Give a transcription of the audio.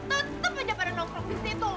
tetap aja pada nongkrong di situ